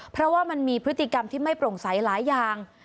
เพราะว่ามันมีพฤติกรรมที่ไม่โปร่งใสหลายอย่าง